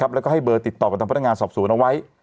แล้วก็ให้เบอร์ติดต่อกับทางพนักงานสอบสวนเอาไว้